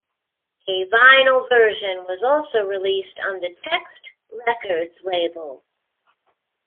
A vinyl version was also released on the Text Records label.